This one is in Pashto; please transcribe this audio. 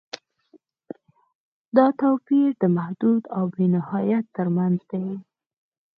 دا توپیر د محدود او بې نهایت تر منځ دی.